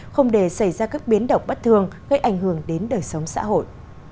không để xảy ra các biến động bất thường gây ảnh hưởng đến đời sống xã hội